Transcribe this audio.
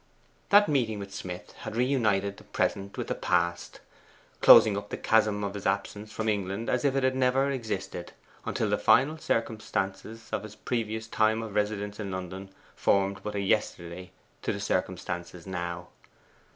That meeting with Smith had reunited the present with the past, closing up the chasm of his absence from England as if it had never existed, until the final circumstances of his previous time of residence in London formed but a yesterday to the circumstances now.